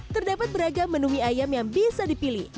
terdapat beragam menu mie ayam yang bisa dipilih